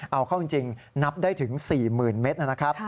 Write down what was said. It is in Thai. เอาเข้าจริงนับได้ถึง๔๐๐๐๐เมตร